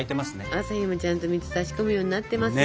朝日もちゃんと３つさし込むようになってますよ。